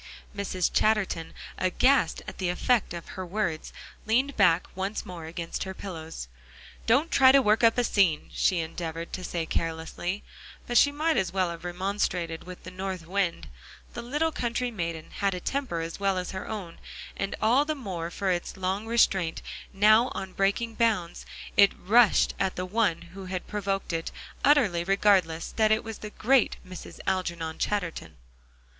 Mrs. Chatterton, aghast at the effect of her words, leaned back once more against her pillows. "Don't try to work up a scene," she endeavored to say carelessly. But she might as well have remonstrated with the north wind. The little country maiden had a temper as well as her own, and all the more for its long restraint, now on breaking bounds, it rushed at the one who had provoked it, utterly regardless that it was the great Mrs. Algernon Chatterton.